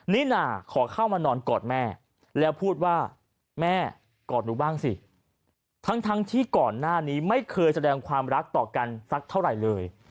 นี่น่าขอเข้ามานอนกอดแม่แล้วพูดว่าแม่กอดหนูบ้างสิทั้งที่ก่อนหน้านี้ไม่เคยแสดงความรักต่อกันสักเท่าไหร่เลย